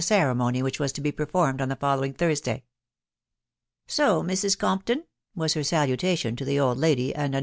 cere mony which was to be performed on the following Thursdays " So, Mrs. Compton," was her salutation to the old lady, tad' a?